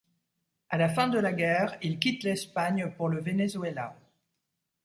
À la fin de la guerre, il quitte l'Espagne pour le Venezuela.